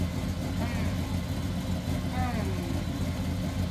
Һм, һм...